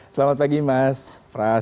selamat pagi mas pras